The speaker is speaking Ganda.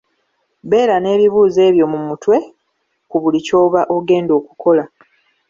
Beera n'ebibuuzo ebyo mu mutwe ku buli ky'oba ogenda okukola.